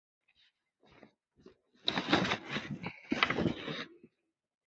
其花蜜同时吸引其他种类的昆虫。